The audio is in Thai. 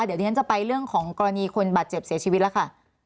เดี๋ยวดิฉันจะไปเรื่องของกรณีคนบาดเจ็บเสียชีวิตแล้วค่ะ